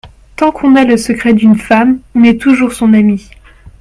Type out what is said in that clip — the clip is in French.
Tant qu’on a le secret d’une femme, on est toujours son ami.